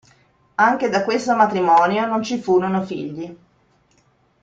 Anche da questo matrimonio non ci furono figli.